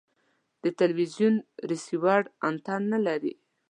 د تلوزیون ریسیور انتن نلري